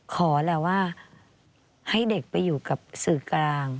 แหละว่าให้เด็กไปอยู่กับสื่อกลาง